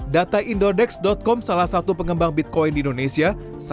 data indodex com salah satu pengembang bitcoin di indonesia